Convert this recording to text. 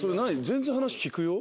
全然話聞くよ。